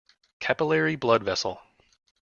Capillary blood vessel.